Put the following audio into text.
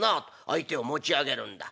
相手を持ち上げるんだ。